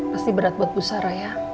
pasti berat buat pusara ya